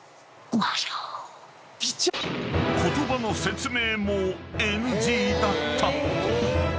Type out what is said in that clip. ［言葉の説明もＮＧだった］